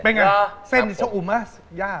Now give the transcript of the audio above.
เป็นไงเส้นชะอุ่มอะย่า